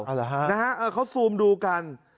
เอาละฮะพวกเค้าซูมดูกัน